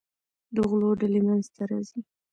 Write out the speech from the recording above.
د غلو ډلې منځته راځي.